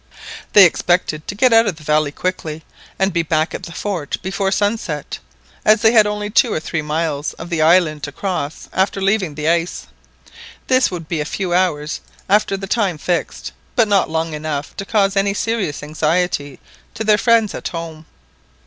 They expected to get out of the valley quickly, and be back at the fort before sunset, as they had only two or three miles of the island to cross after leaving the ice. This would be a few hours after the time fixed, but not long enough to cause any serious anxiety to their friends at home.